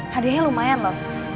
hadiahnya lumayan lho